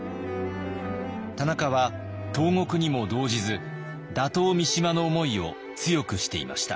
田中は投獄にも動じず打倒三島の思いを強くしていました。